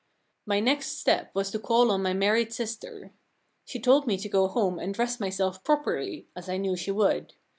My next step was to call on my married sister. She told me to go home and dress myself properly, as I knew she would.